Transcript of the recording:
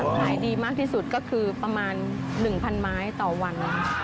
ขายดีมากที่สุดก็คือประมาณ๑๐๐ไม้ต่อวัน